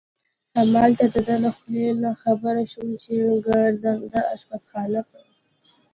همالته د ده له خولې نه خبر شوم چې ګرځنده اشپزخانه به.